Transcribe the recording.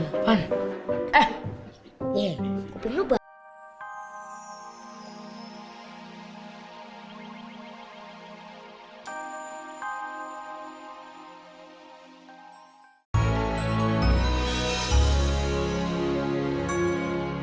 yee kopi lu banget